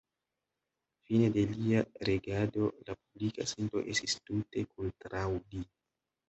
Fine de lia regado, la publika sento estis tute kontraŭ li.